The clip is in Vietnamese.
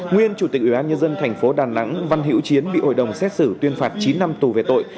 nguyên chủ tịch ubnd thành phố đà nẵng văn hữu chiến bị hội đồng xét xử tuyên phạt chín năm tù về tội